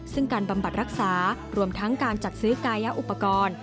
ซึ่งการบำบัดรักษารวมทั้งการจัดซื้อกายอุปกรณ์